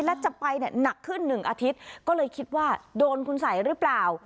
แล้วจะไปเนี่ยหนักขึ้นหนึ่งอาทิตย์ก็เลยคิดว่าโดนคุณสัยหรือเปล่า